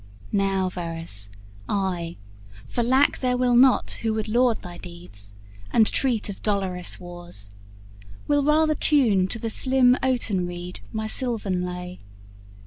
Now, Varus, I For lack there will not who would laud thy deeds, And treat of dolorous wars will rather tune To the slim oaten reed my silvan lay.